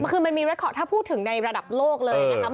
คือมันมีถ้าพูดถึงในระดับโลกเลยนะครับ